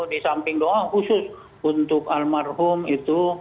di samping doa khusus untuk almarhum itu